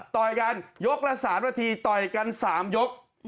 ต่อยกันยกละ๓นาทีต่อยกัน๓ยก